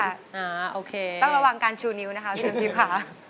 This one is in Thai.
อ่าโอเคต้องระวังการชูนิ้วนะคะคุณน้ำทิพย์ค่ะ